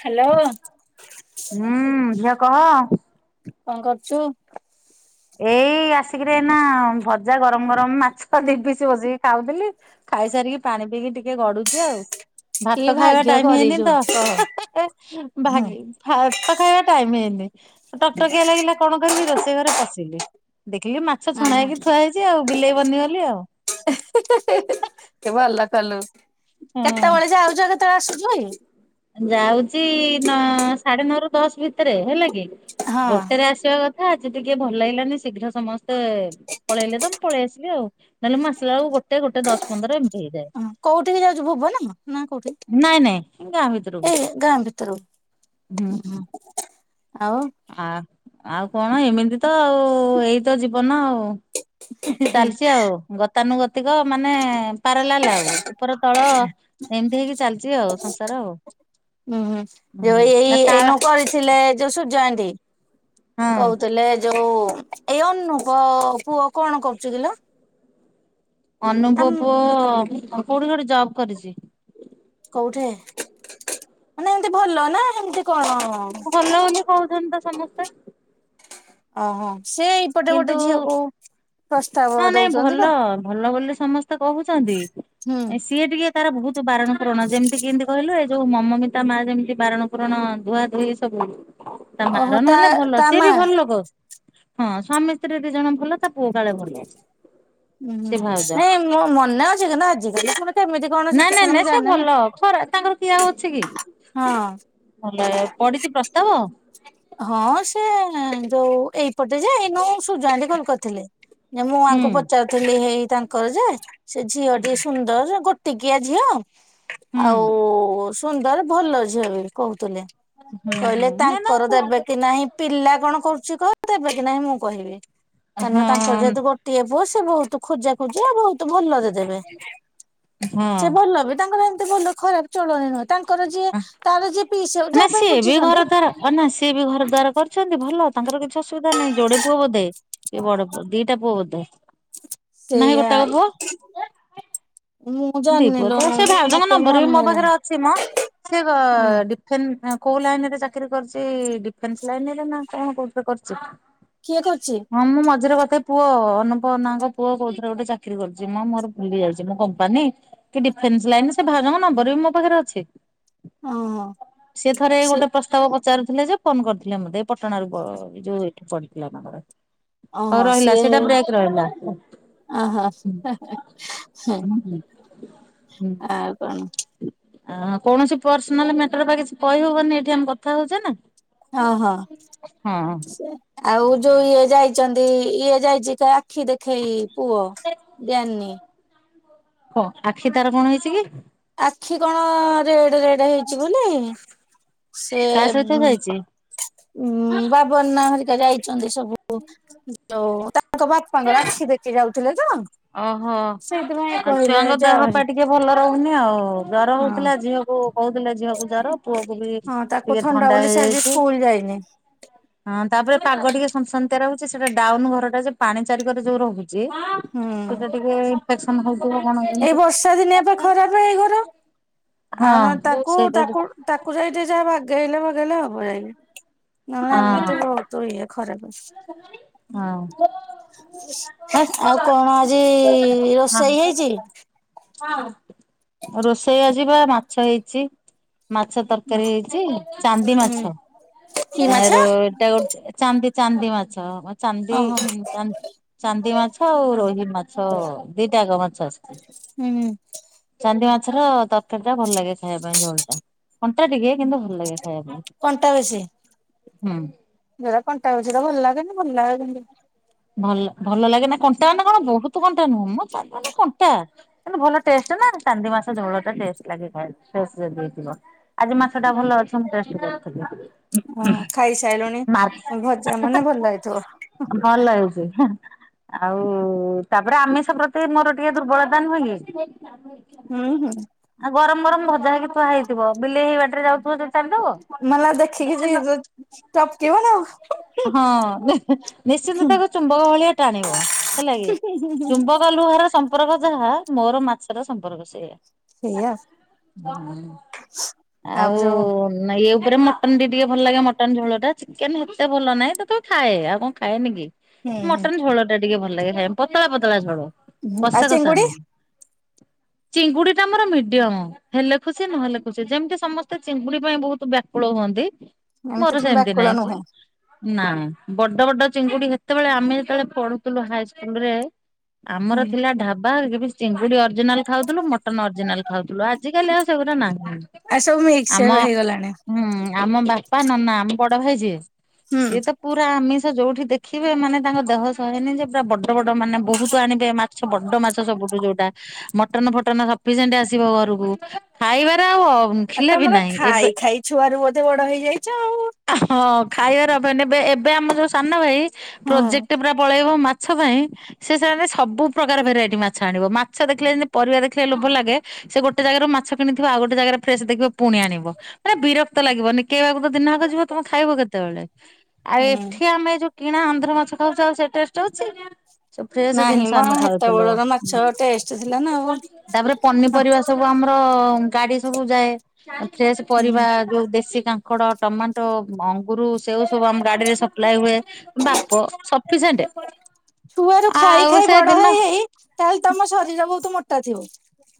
Hello ହୁଁ ଝିଅ କହ। କଣ କରୁଚୁ? ଏଇ ଆସିକିରି ଏନା ଭଜା ଗରମ ଗରମ ମାଛ ଦି ପିଇସ୍ ବସିକି ଖାଉଥିଲି। ଖାଇସାରିକି ପାଣି ପିଇକି ଟିକେ ଗଡୁଚି ଆଉ। କି ଭାତ ଖାଇବା ଭାଗ୍ୟ ଟାଇମ ହେଇନି କରିଛୁ ତ କହ। ହଁ ଭାଗି ଭାତ ଖାଇବା ଟାଇମ ହେଇନି ଟକଟକିଆ ଲାଗିଲା କଣ କରିବି ରୋଷେଇ ଘରେ ପଶିଲି ଦେଖିଲି ମାଛ ହଁ ଛଣା ହଁ। ହେଇକି ଥୁଆ ହେଇଚି ଆଉ ବିଲେଇ ବନିଗଲି ଆଉ। ଭଲ କଲୁ ହଁ। କେତେବେଳେ ଯାଉଚ କେ ତେ ଆସୁଚଇ ଯାଉଚି ନ ସାଢେ ନଅ ରୁ ଦଶ ଭିତରେ ହେଲା କି ହଁ ଗୋଟେରେ ଆସିବା କ ଆଜି ଟିକେ ଭଲ ଲାଗିଲାନି ଶୀଘ୍ର ସମସ୍ତେ ପଳେଇଲେ ତମ ପଳେଇ ଆସିଲି ଆଉ ନହେଲେ ମୁଁ ଆସିଲ ବେଳ ଗୋଟେ ଗୋଟେ ଦ ଶ ପନ୍ଦର ଏମତି ହେଇଯାଏ। ହ କୋଉଠିକି ଯାଉଚୁ ଭୁବନ ନା କୋଉଠି? ନାଇଁ ନାଇଁ ଗାଁ ଭିତରକୁ। ଏଇ ଗାଁ ହୁଁ ଭିତରକୁ ଆଉ? ଆ ଆଉ କଣ ଏମିତି ତ ଆଉ ଏଇ ତ ଜୀବନ ଆଉ। ହୁଁ ଚାଲିଚି ଆଉ ଗତାନୁଗତିକ ମାନେ ପାରାଲାଲ ଆଉ ଉପର ତଳ ଏମିତି ହେଇକି ଚାଲିଚି ଆଉ ସଂସାର ଆଉ। ହୁଁ। ଯୋଉ ଏଇ ଏଇନୁ [unintelligible] କରିଥିଲେ ଯୋଉ ସୂର୍ଯଆନ୍ତି ହଁ କହୁଥିଲେ ଯୋଉ ଏଇ ଅନୁପ ପୁଅ କଣ କରୁଚି କିିଲୋ? ଅନୁଙ୍କ ପୁଅ କୋଉଠି ଗୋଟେ ଜବ କରିଚି। କୋଉଠି ମାନେ ଏମିତି ଭଲ ନା ଏମିତି କଣ? ଭଲ ବୋଲି କହୁଚନ୍ତି ତ ସମସ୍ତେ। ଓହୋ। ଏଇପଟେ ଗୋଟେ କିନ୍ତୁ ଝିଅକୁ ପ୍ରସ୍ତାବ ହଁ ନାଇଁ ଦଉଛନ୍ତି ତ ଭଲ ଭଲ ବୋଲି ସମ ସ୍ତେ କହୁଚନ୍ତି। ହୁଁ ସିଏ ଟିକେ ତାର ବହୁତ ବାରଣ ପୁରଣ ଯେମିତି କେମିତି କହିଲୁ ଏ ଯୋଉ ମମମିତା ମା ଯେମିତି ବାରଣ ପୁରଣ ଧୁଆ ଧୁଇ ସବୁ ତା ମାର ଓହୋ ତା ନହେଲେ ଭଲ ତା ସିଏ ମା? ବି ଭଲ ଲୋକ। ହଁ ସ୍ୱାମୀ ସ୍ତ୍ରୀ ଦି ଜଣ ଭଲ ତା ପୁଅ କାଳେ ଭଲ। ଉୁଁ ସେ ଭାଉଜ। ନାଇଁ ମୋ ମନେ ଅଛି କି ନା ଆଜିକାଲି ମେ କେମିତି କଣ ନା ନା ସିଚୁଏସନ ନା ମୁଁ ସେ ଜାଣିନି ଭଲ ଖରା ତାଙ୍କର କିଏ ଅଛି କି? ହଁ। ଭଲ ପଢିଚି ପ୍ରସ୍ତାବ? ହଁ ସେ ଯୋଉ ଏଇପଟେ ଯେ ଏଇନୁ ସୁୂଜାଟି କଲ କରିଥିଲେ। ଯେ ମୁଁ ହୁଁ ଆଙ୍କୁ ପଚାରୁଥିଲି ହେଇ ତାଙ୍କର ଯେ ସେ ଝିଅ ଟିକେ ସୁନ୍ଦର ଗୋ ଟିକିଆ ଝିଅ ହୁଁ ଆଉ ସୁନ୍ଦର ଭଲ ଝିଅ ବି କହୁଥିଲେ। ହୁଁ ହୁଁ କହିଲେ ନା ତାଙ୍କର ଦେବେ [unintelligible] କି ନାହିଁ ପିଲା କଣ କରୁଚି କହ ତବେ କି ନାହିଁ ମୁଁ କହିବି। କାହିଁକି ନା ତାଙ୍କ ଯେହେତୁ ଗୋ ଟିଏ ପୁ ସେ ବହୁତ ଖୋଜା ଖୋଜି ଆଉ ବହୁତ ଭଲରେ ଦେବେ। ସେ ହଁ। ଭଲ ବି ତାଙ୍କର ଏମତି ଭଲ ଖରାପ ଚଳଣି ନୁହଁ। ତା ଙ୍କ ଯିଏ ତାର ଯିଏ ପିଠି ହବ୍ ଯାହା ପାଇଁ ବୁଝିଚନ୍ତି। ହ ନା ସିଏ ବି ଘର ଦ୍ୱାର କରିଛନ୍ତି ଭଲ ତାଙ୍କର କିଛି ଅସୁବିଧା ନାହିଁ ଯୋଡେ ପୁଅ ବୋଧେ। ଏ ବଡ ପୁଅ ଦିଟା ପୁଅ ବୋଧେ। ନାହିଁ ସେୟା। ଗୋଟାକ ପୁଅ ଦି ପୁଅ ତ ସେ ଭାଉଜଙ୍କ ମତେ ନମ୍ବର ବି ମୋ ମନେ ନାହିଁ ପାଖରେ ଅଛି ମ। ହଁ [unintelligible] ଫେନ୍ କୋଉ ଲାଇନ୍ ରେ ଚାକିରି କରିଚି ଡିଫେନ୍ସ୍ ଲାଇନ୍ ରେ ନା କଣ କୋଉଥିରେ କରିଚି। କିଏ କର୍ଚି। ହଁ ମୁଁ ମଝିରେ କଥା ପୁଅ ଅନୁପନାଙ୍କ ପୁଅ କୋଉଥିରେ ଗୋଟେ ଚାକିରି କରୁଛି ମୁଁ ମୋର ବୁଲି ଯାଇଛି ମ କମ୍ପାନୀ। କି ଡିଫେନ୍ସ୍ ଲାଇନରେ ସେ ଭାଜଙ୍କ ନମ୍ବର ବି ମୋ ପାଖରେ ଅଛି। ଓହୋ ସେ ଥରେ ଗୋଟେ ପ୍ରଶ୍ ତାବ ପଚାରୁଥିଲେ ଯେ ଫୋନ କର୍ଥିଲେ ମତେ ପଟଣାରୁ ଯୋଉ ଏଠି ପଡିଥିଲା ତାଙ୍କର। ହଉ ଓହୋ ରହିଲା ସିଏ ସେଇଟା ବ୍ରେକ୍ ରହିଲା। [unintelligible] ହୁଁ ଆଉ କଣ। କୌଣସି ପର୍ସନାଲ ମ୍ୟାଟର୍ ବା କିଛି କହି ହବନି ଏଠି ଆମେ କଥା ହଉଚେ ନା। ଅହ ହଁ ଆଉ ଯୋଉ ଇଏ ଯାଇଛନ୍ତି ଇଏ ଯାଇଚିକା ଆଖି ଦେଖେଇ ପୁଅ ଜାନ୍ନି। ହଁ ଆଖି ତାର କଣ ହେଇଛି କି। ଆଖି କଣ ରେଡ୍ ରେଡ୍ ହେଇଚି ବୋଲି ସେ କାହା ସହିତ ଯାଇଛି? ଉଁ ବାବନ୍ ନା ହରିକା ଯାଇଚନ୍ତି ସବୁ ଯଉ ତାଙ୍କ ବାପାଙ୍କ ଆଖି ଦେଖି ଯାଉଥିଲେ ତ। ଓହୋ। ସେଇଥିପାଇଁ ଆଉ କହିଲେ ଛୁଆଙ୍କ ଯା ଦେହ ପା ଘରେ ଟିକେ ଭଲ ରହୁନି ଆଉ ଜର ହଉଥିଲା ଝିଅ କୁ ହଉଥିଲା ଝିଅକୁ ଜର ପୁଅ କୁ ବି ହଁ ତାକୁ ଟିକେ ଥଣ୍ଡା ବୋଲି ସେ ଆଜି ହେଇଯାଇଚି। ସ୍କୁଲ ଯାଇନି ହଁ ତାପରେ ପାଗ ଟିକେ ସସନ୍ତିଆ ରହୁଛି। ସେଟା ଡାଉନ୍ ଘର ଟା ଯେ ପାଣି ଚାରିିକର ଯୋଉ ରହୁଚି। ହୁଁ। କେତେ ଟିକେ କଣ [inaudible] ଏଇ କେମିତି। ବର୍ଷା ଦିନିଆ ପାଇଁ ଖରାପ ଏଇ ଘର। ଆଉ ହଁ ନ ତାକୁ ସେଇଟା ତାକୁ ତାକୁ ଯାଇ ଟିକେ ଯାହା ବାଗେଇଲେ ଭାଗେଇଲେ ହବ ଯାଇକି [inaudible] ନହେଲେ ହଁ ଏମିତି ଭୋ ଉତ୍ ଇଏ ଖରାପ। [inaudible] ହଁ [inaudible] ଆଉ କଣ ଆଜି ରୋଷେଇ ହେଇଚି। ରୋଷେଇ ଆଯି ପା ମାଛ ହେଇଚି। ମାଛ ତର୍କାରୀ ହେଇଚି ଚାନ୍ଦି ହୁଁ ମାଛ କି ମାଛ ଏ ରୋ ଏଟା ଗୋଟେ ଚାନ୍ଦି ଚାନ୍ଦି ମାଛ ଚାନ୍ଦି ଓହୋ ଚା ଚାନ୍ଦି ମାଛ ଆଉ ରୋହି ମାଛ ଦିଟା ଙ୍କ ମାଛ ଆସ୍ଚି। ହୁଁ। ଚାନ୍ଦି ମାଛର ତର୍କାରୀ ଟା ଭଲ ଲାଗେ ଖାଇବା ପାଇଁ ଝୋଲ ଟା କଣ୍ଟା ଟିକେ କିନ୍ତୁ ଭଲ ଲାଗେ ଖାଇବା ପାଇଁ। ଟା ବେଶି। ହଁ। ଯୋଉରା କଣ୍ଟା ଅଛିତ ଭଲ ଲାଗେନି ଭଲ ଲାଗେ କିନ୍ତୁ। ଭଲ୍ ଭଲ ଲାଗେ ନା କଣ୍ଟା ମାନେ କଣ ବୋହୁ ତ୍ କଣ୍ଟା ନୁହଁ ମ ଚାର୍ ମାନେ କଣ୍ଟା ଭଲ ଟେଷ୍ଟ୍ ନା ଚାନ୍ଦି ମା ତା ଝୋଳଟା ଟେଷ୍ଟ୍ ଲାଗିଥାଏ ଟେଷ୍ଟ୍ ହେଇଥିବ। ଆଜି ମାଛ ଟା ଭଲ ଅଛି ମୁଁ ଟେଷ୍ଟ୍ ଥିଲି ଟିକେ। ଓ ଖାଇସାଇଲୁଣି। ଭଜା ମାନେ ଭଲ ଲାଗିଥିବ। ଭଲ ହେଇଚି। ଆଉ ତାପରେ ଆମିଷ ପ୍ରତି ମୋର ଟିକେ ଦୁର୍ବଳତା ନୁହଁ କି। ହୁଁ ହୁଁ। ଆଉ ଗରମ୍ ଗରମ୍ ଭଜା ହେଇକି ଥୁଆ ହେଇଥିବ ବିଲେଇ ହେଇ ବାଟ ରେ ଯାଉଥୁବ ଯଦି ଚାଟିଦବ। ମଲା ଦେଖିକି ଯି ଯୋ ଚପକିବ ନା। ହଁ ନିଶ୍ଚିନ୍ତ ଆଉ। ତାକୁ ଚୁମ୍ବକ ଭଳିଆ ଟାଣିବ ହେଲା କି ଚୁମ୍ବକ ଲୁହାର ସମ୍ପର୍କ ଯାହା। ମୋର ମାଛର ସମ୍ପର୍କ ସେଇଆ। ସେଇଆ ଆଉ ନା ଏ ଉପରେ ମ ତମ ଦିଦିକି ଭଲ ଲାଗେ ମଟନ୍ ଝୋଳ ଟା ଚିକେନ ଏତେ ଭଲ ନାହିଁ ତଥାପି ଖାଏ ଆଉ କଣ ଖାଏନି କି। ହୁଁ ମଟନ୍ ଝୋଳ ଟା ଟିକେ ଭଲ ଲାଗେ। ଖାଇ ପତଳା ପତଳା ଝୋଳ ହୁଁ ଆଉ କଷା କଷା ଚିଙ୍ଗୁଡି ନୁହଁ। [inaudible] ଚିଙ୍ଗୁଡି ଟା ଆମର ମିଡିୟମ। ହେଲେ ଖୁସି ନହେଲେ ଖୁସି। ଯେମିତି ସମସ୍ତେ ଚିଙ୍ଗୁଡି ପାଇଁ ବହୁତ ବ୍ୟାକୁଳ ହୁଅନ୍ତି। ଏମିତି ମୋର ତମେ ସେମତି ବାକୁଳ ନାଇଁ ଯେ। ନୁହେଁ ନା ବଡ ବଡ ଚିଙ୍ଗୁଡି ସେତେବେଳେ ଆମେ ଯେତେବେଳେ ପଢୁଥିଲୁ ହାଇସ୍କୁଲ ରେ ଆମର ହୁଁ ଥିଲା ଢାବା କେବେ ଚିଙ୍ଗୁଡି ଅରିଜିନାଲ ଖାଉଥିଲୁ ମଟନ ଅରିଜିନାଲ୍ ଖାଉଥିଲୁ ଆଜିିକାଲି ଆଉ ସେଗୁରା ନାହିଁ। ଆଉ ସବୁ ମିିକ୍ସ ଆମ ଏବେ ହେଇଗଲାଣି। ହୁଁ, ଆମ ବାପା ନନା ଆମ ବଡ ଭାଇ ଯିଏ ହୁଁ ସିଏ ତ ପୁରା ଆମିଷ ଯୋଉଠି ଦେଖ ଖିବେ ମାନେ ତାଙ୍କ ଦହ ସହେନି ଯେ ପୁରା ବଡ ବଡ ମାନେ ବହୁତ ଆଣିବେ ମାଛ ବଡ ମାଛ ସବୁଠୁ ଯୋଉଟା ମଟନ ଫଟନ ସଫିସିଏଣ୍ଟ ଆସିବ ଘରକୁ ଖାଇବାରେ ଆଉ ଅନ୍ ଆଉ ତମର ଖାଇ ଖାଇ ଛୁଆ ରୁ ବୋଧେ ବଡ ହେଇଯାଇଚ ଆଉ। ହଁ, ଖାଇବାର ଅଭାବ ନାଇ। ଏବେ ଏବେ ଆମ ଯୋଉ ସାନ ଭାଇ ହଁ ପ୍ରୋଜେକ୍ଟ ପୁରା ପଳେଇବ ମା ମାଛ ପାଇଁ ସେ ସେ ସବୁ ପ୍ରକାର ଭେରାଇଟି ମାଛ ଆଣିବ। ମାଛ ଦେଖିଲେ ଯେମତି ପରିବା ଦେଖିଲେ ଲୋଭ ଲାଗେ। ସେ ଗୋଟେ ଜାଗାରୁ ମାଛ କିଣିଥିବ। ଆଉ ଗୋଟେ ଜାଗାରେ ଫ୍ରେଶସ ଦେଖିବ ପୁଣି ଆଣିବ। ମାନେ ବିରକ୍ତ ଲାଗିବ। ନିକେଇବାକୁ ତ ଦିନଆକ ଯିବ ତମେ ଖାଇବ କେତବେଳେ? ଆଉ ହୁଁ ଏଠି ଆମେ ଯୋଉ କିଣା ଆନ୍ଧ୍ର ମାଛ ଖାଉଚେ ଆଉ ସେ ଟେଷ୍ଟ୍ ଅଛି। ସବୁ ଫ୍ରେଶେ ନାହିଁ ଜିନିଷ ମ ଆମେ ଖାଉଥୁଲୁ। ହେତେବେଳର ମାଛ ଟେଷ୍ଟ ଥିଲା ନା ଆଉ ତାପରେ ପନିପରିବା ସବୁ ଆମର ଗାଡି ସବୁ ଯାଏ। ଫ୍ରେଶ ପରିବା ହୁଁ। ଯୋଉ ଦେଶୀ କାଙ୍କ୍ ଙ୍କଡ, ଟମାଟୋ, ଅଙ୍ଗୁର ସେଓ ସବୁ ଆମ ଗାଡିରେ ସପ୍ଲାଇ ହୁଏ। ବାପ ସଫିସେଣ୍ଟ ଛୁଆରୁ ଖାଇ ଆଉ ଖାଇ ବଡ ସେଦିନ ହେଇ ହେଇ ତାହେଲେ ତମ ଶରୀର ବହୁତ ମୋଟା ଥିବ।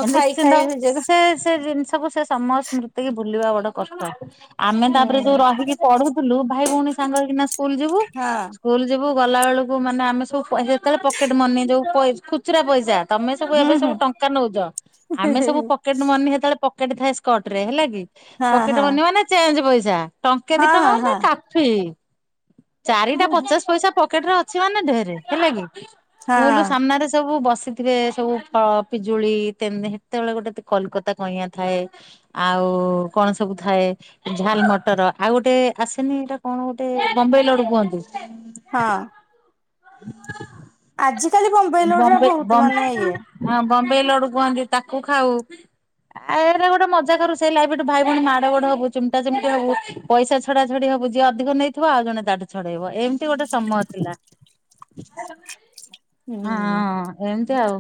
ଓ ତ ଖାଇ ନିଶ୍ଚିନ୍ତ ଖାଇ ହୁଁ ସେ ସେ ଜିନିଷକୁ ସେ ସମ ସ୍ମୃତି କି ଭୁଲିବା ବଡ କଷ୍ଟ। ଆମେ ହଁ ତାପରେ ଯୋଉ ରହିକି ପଢୁଥିଲୁ ଭାଇ ଭଉଣୀ ସାଙ୍ଗ ହେଇକିନା ସ୍କୁଲ ଯିବୁ ସ୍କୁଲ ଯିବୁ ଗଲାବେଳୁକୁ ମାନେ ଆମେ ସବୁ ସେତେବେଳେ ପକେଟ୍ ମନି ଯେଉଁ ଖୁଚୁରା ପଇସା ତମେ ସବୁ ହୁଁ ଏବେ ହୁଁ ସବୁ ଟଙ୍କା ନଉଚ ଆମେ ସବୁ ପ ପକେଟ୍ ମନି ସେତବେଳେ ପକେଟ ଥାଏ ସ୍କଟ ରେ ହେଲା କି? ହଁ ପକେଟ ହଁ। ମନି ମାନେ ଚେଞ୍ଚ ପଇସା ଟଙ୍କେ ହଁ ହଁ ଦି ହଁ ଟଙ୍କା ହ ନା ହଁ କାଫି ଚାରିଟା ହଁ। ପଚାଶ ପଇସା ପ ପକେଟ୍ ରେ ଅଛି ମାନେ ଢେରେ ହେଲା କି ସ୍କୁଲ ହଁ ସାମ୍ନାରେ ସବୁ ବସିକ୍ ସେଥିରେ ସବୁ ଫଳ ପିଜୁଳି ସେତେବେଳେ ଗୋଟେ କଲିକତା କଇଁ ଥାଏ। ଆଉ କଣ ସବୁ ଥାଏ? ଝାଲ ମଟର ଆଉ ଗୋଟେ ଆସେନି ଏଇଟା କଣ ଗୋଟେ ବମ୍ବେ ଲଡୁ କୁହନ୍ତି ହଁ। ହୁଁ। ଆଜ କାଲି ବମ୍ବେଇଲଡୁ ର ବହୁତ ବମ୍ ମାନେ ଇଏ ହଁ ବମ୍ବେଇ ଲଡୁ କୁହନ୍ତି ତାକୁ ଖାଉ ଆରେ ଗୋଟେ ମଜା କରୁ ସେଇ ଲାଇଫଠୁ ଭାଇଭଉଣୀ ମାଡ ଗୋଡ ହବୁ ଚିମ୍ଟା ଚିମଟି ହବୁ ପଇସା ଛଡା ଛଡି ହବୁ ଯିଏ ଅଧିକ ନେଇଥିବ ଆଉ ଜଣେ ତାକୁ ଛଡେଇବ ଏମିତି ଗୋଟେ ସମୟ ଥିଲା। ହୁଁ। ହଁ ଏମତି ଆଉ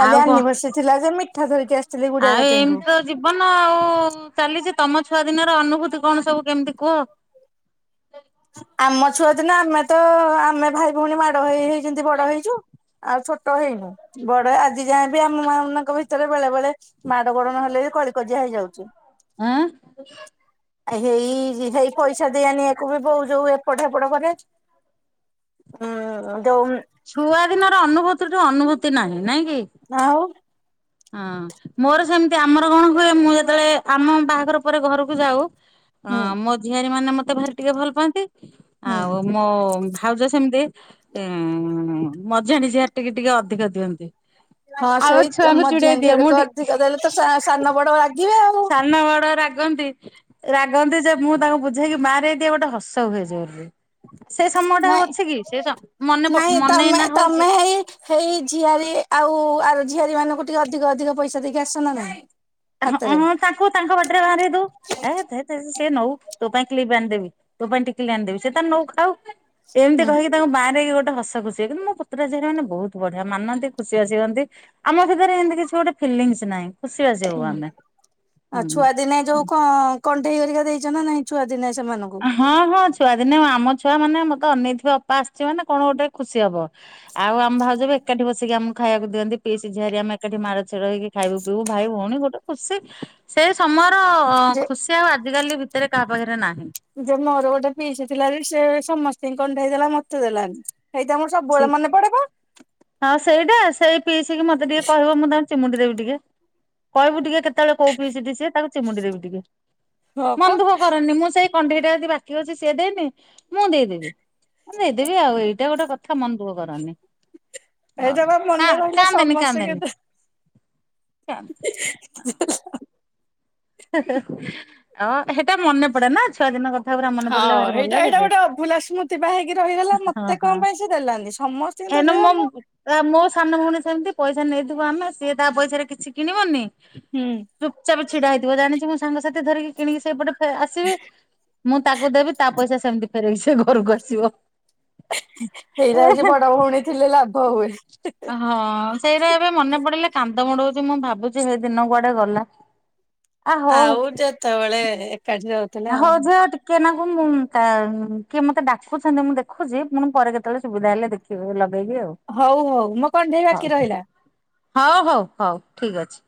କାଲି ଆଉ କଣ ଆନିଭର୍ସରି ଥିଲା ସେ ମିଠା ଧରିକି ଆସ୍ ଆଉ ଏମତି ତ ଜୀବନ ଆଉ ଚାଲିଚି। ତମ ଛୁଆ ଦିନର ଅନୁଭୂତି କଣ ସବୁ କେମିତି କୁହ? ଆମ ଛୁଆ ଦିନ ଆମେ ତ ଆମେ ଭାଇ ଭଉଣୀ ମାଡ ହେଇ ହେଇଛନ୍ତି ବଡ ହେଇଚୁ ଆଉ ଛୋଟ ହେଇନୁ। ବଡ ଆଜି ଯାଏ ବି ଆମ ମାନଙ୍କ ଭିତରେ ବେଳେ ବେଳେ ମାଡ ଗୋଡ ନ ହେଲେ ବି କଳି କଜିଆ ହେଇଯାଉଛି ଆଁ ଆଉ ହେଇ ହେଇ ପଇସା ଦିଆନି ଏକୁ ବି ବୋଉ ଯୋଉ ପଠା ପଢା କରେ ଉଁ ଯୋଉ ଛୁଆ ଦିନର ଅନୁଭୂତିଠୁ ଅନୁଭୂତି ନାହିଁ ନାଇଁ କି ଆଉ ହଁ ମୋର ସେମିତି ଆମର କଣ ହୁଏ ମୁଁ ଯେତେବେଳେ ଆମ ବାହାଘର ପରେ ଘରକୁ ଯାଉ ହଁ ହୁଁ ମୋ ଝିଆରୀ ମାନେ ମତେ ଭାରି ଟିକେ ଭଲ ପାଆନ୍ତି ହୁଁ। ଆଉ ମୋ ଭାଉଜ ସେମିତି ମଝିଆଣି ଝିଆରୀ ଟିକେ ଟିକେ ଅଧିକ ଦିଅନ୍ତି। ହଁ ଆମ ସେଇ ତ ଛୁଆଙ୍କୁ ଚିଡେଇ ଦିଏ ମଝିଆଝିଆଡ ମୁଁ ଟି ଅଧିକ ଦେଲେ ତ ସସାନ ବଡ ବାଧିବେ ଆଉ ସାନ ବଡ ରାଗନ୍ତି ରାଗନ୍ତି ଯେ ମୁଁ ତାଙ୍କୁ ବୁଝେଇକି ମାରେ ଏଇ ଟିକେ ଗୋଟେ ହସ ହୁଏଯ ବୋଲି ସେ ସମୟ ଟା ନାଇଁ ଅଛି କି ସେସ ମନେ ନାଇଁ ମନେ ତମେ ନା ତମେ ହଉଛି ହେଇ ହେଇ ଝିଆରୀ ଆଉ ଆର ଝିଆରୀ ମାନଙ୍କୁ ଟିକେ ଅଧିକ ଅଧିକ ପଇସା ଦେଇକି ଆସନା ନାହିଁ ହଁଁ ତାଙ୍କୁ ତାଙ୍କ ବାଟରେ ବାହାରି ଦୁ ଏ ସେ ନଉ ତୋ ପାଇଁ କିଲି ବି ଆଣିଦବି ତୋ ପାଇଁ ଟିକିଲି ଆଣିଦେବି ସେ ତ ନଉ ଖାଉ ଏମିତି ହୁଁ କହିକି ତାଙ୍କ ବାଁରେଇ ଗୋଟେ ହସ ଖୁସି ସେ କିନ୍ତୁ ମୋ ପୁତୁରା ଝିଆରୀ ମାନେ ବହୁତ ବଢିଆ ମାନନ୍ତି ଖୁସି ଆସି ହୁଅନ୍ତି ଆମ ଭିତରେ ଏମିତି କିଛି ଗୋଟେ ଫିଲିଙ୍ଗସ ନାହିଁ ଖୁସି ଅଛି ହୁଁ ଆଉ ଛୁଆ ଦିନେ ଯୋଉ କ କଣ୍ଢେଇ ହରିକା ଦେଇଛ ନା ନାଇଁ ଛୁଆ ଦିନେ ସେମାନଙ୍କୁ ହଁ ହଁ ଛୁଆଦିନେ ଆମ ଛୁଆ ମାନେ ମତେ ଅନେଇଥିବେ ଅପା ଆସିଛି ମାନେ କଣ ଗୋଟେ ଖୁସି ହବ ଆଉ ଆମ ଭାଉଜ ବି ଏକାଠି ବସିକି ଆମକୁ ଖାଇବାକୁଦିଅନ୍ତି ପିଇସି ଝିଆରି ଆମେ ଏକାଠି ମାଡ଼ ଛଡକି ଖାଇବୁ ପିଇବୁ ଭାଇ ଭଉଣୀ ଗୋଟେ ଖୁସି ସେଇ ସମୟର ହ ଯେ ଖୁସି ଆଉ ଆଜିିକାଲି ଭିତରେ କାହା ପାଖରେ ନାହିଁ ଯେ ମୋର ଗୋଟେ ପିଇସୀ ଥିଲା ଯେ ସେ ସମସ୍ତି ଙ୍କୁ କଣ୍ଢେଇ ଦେଲା ମତେ ଦେଲାନି। ହେଇତା ମୋର ସବୁବେଳେ ଠିକ୍। ମନେ ପଡେବା। ହଁ ସେଇଟା ସେଇ ପିଇସିକି ମତେ ଟିକେ କହିବ ମୁଁ ତା ଚିମୁଡି ଦେବି ଟିକେ କହିବୁ ଟିକେ କେତେବେଳେ କୋଉ ପିଇସୀ ଟି ସେଠିଏ ତାକୁ ଚିମୁଡି ଦେବି ଟିକେ ହଁ ପା ମନ ଦୁଃଖ କରନି ମୁଁ ସେଇ କଣ୍ଢେଇ ଟା ଆଜି ବା କି ଅଛି ସିଏ ଦେଇନି ମୁଁ ଦେଇଦେବି ମୁଁ ଦେଇଦେବି ଆଉ ଏଇଟା ଗୋଟେ କଥ ମନ ଦୁଃଖ କରିନି ହେଇଟା ବା କା ମନେ ରହିଲା କାନ୍ଦେନି ସମସ୍ତଙ୍କୁ କାନ୍ଦେନି। ଚାଲ। ଦିକ୍ସ [unintelligible] ହ [unintelligible] ହେ ହେ ଅ ହେଟା ମନେ ପଡେ ନା ଛୁଆ ଦିନ କଥା ପୁରା ମନେ ହଁ ପଡିଲେ ଭାରି ଭଲ ହେଇଟା ଲାଗେ ଏଇଟା ଯେ। ହଁ ତତେ ହଁ କଣ ପାଇଁ ସେ ଦେଲାନି ସମସ୍ତଙ୍କୁ ତ ଦେଲା ମ ତା ମୋ ସାନ ଭଉଣୀ ସେମିତି ପଇସା ନେଇଥିବ ଆମେ ସିଏ ତା ପଇସାରେ କିଛି କିଣିବନି। ହୁଁ ଚୁପଚାପ ଛିଡା ହେଇଥିବ ଜାଣିଛି ମୁଁ ସାଙ୍ଗସାଥି ଧରିକି କିଣିକି ଫେ ସେଇପଟେ ଫେ ଆସିବି। ମୁଁ ତାକୁ ଦେବି ତା ପଇସା ସେମିତି ଫେରେଇକିସେ ଘରକୁ ଆସିବ ହେଇଟା ହେ ହଉଛି ଏହେ ବଡ ଭଉଣୀ ଥିଲେ ଲାଭ ହୁଏ ହେ ହେ ହଁ--ସେଇରା ଏବେ ମନେ ପଡିଲେ କାନ୍ଦ ମୋଡଉଛି ମୁଁ ଭାବୁଛି ସେଇ ଦିନ କୁଆଡେ ଗଲା। ଆ ହଉ ଆଉ ଯେତେବେଳେ ଏକାଠି ର ହଉ ଯା ଟି କିଏ ନାକୁ ମୁଁ କିଏ ମତେ ଡାକୁଛନ୍ତି ମୁଁ ଦେଖୁଛି ମାନେ ପରେ କେତେବେଳେ ସୁବିଧା ହେଲେ ଦେଖି [unintelligible] ଲଗେଇବି ଆଉ ହଉ ହଉ ମୋ କଣ୍ଢେଇ ହଉ ବାକି ରହିଲା। ହ--ଉ ହଉ ହଉ ଠିକ୍ ଅଛି।